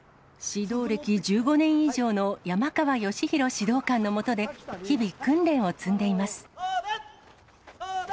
指導歴１５年以上の山川良博指導官の下で、日々、訓練を積んでいます。